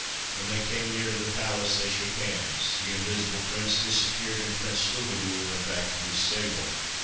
When they came near to the palace they shook hands. The Invisible Prince disappeared, and Prince Slugobyl went back to his stable.